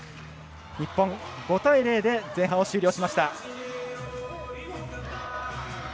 日本、５対０で前半を終了しました。